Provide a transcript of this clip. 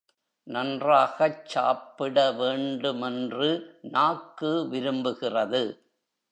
நன்றாகச் சாப்பிட வேண்டுமென்று நாக்கு விரும்புகிறது.